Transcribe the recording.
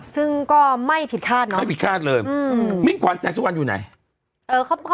ซึ่งก็ไม่ผิดคาดเนาะไม่ผิดคาดเลยมิ่งขวัญแสงสุวรรณอยู่ไหน